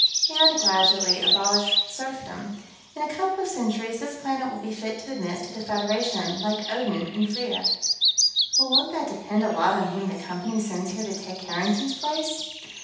And, gradually, abolish serfdom. In a couple of centuries, this planet will be fit to admit to the Federation, like Odin and Freya." "Well, won't that depend a lot on whom the Company sends here to take Harrington's place?"